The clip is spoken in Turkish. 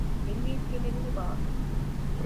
Emniyet kemerini bağla.